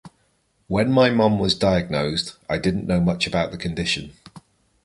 When my mom was diagnosed, I didn't know much about the condition.